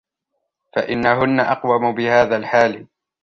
فَإِنَّهُنَّ أَقُومُ بِهَذَا الْحَالِ